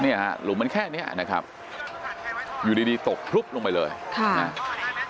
เนี่ยฮะหลุมมันแค่เนี้ยนะครับอยู่ดีดีตกพลุบลงไปเลยค่ะนะฮะ